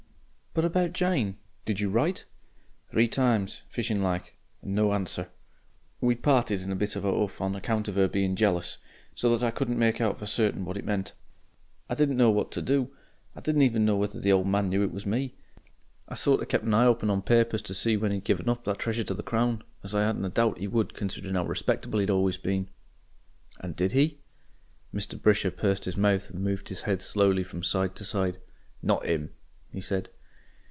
"But about Jane? Did you write?" "Three times, fishing like. And no answer. We'd parted in a bit of a 'uff on account of 'er being jealous. So that I couldn't make out for certain what it meant. "I didn't know what to do. I didn't even know whether the old man knew it was me. I sort of kep' an eye open on papers to see when he'd give up that treasure to the Crown, as I hadn't a doubt 'e would, considering 'ow respectable he'd always been." "And did he?" Mr. Brisher pursed his mouth and moved his head slowly from side to side. "Not 'IM," he said.